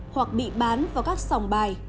hoặc bị bán vào các sòng bài